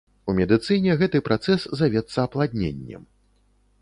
У медыцыне гэты працэс завецца апладненнем.